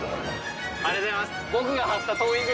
ありがとうございます！